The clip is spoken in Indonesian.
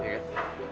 tentu saja saya tahu